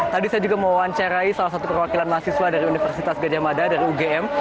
tadi saya juga mau wawancarai salah satu perwakilan mahasiswa dari universitas gadiamada dari ugm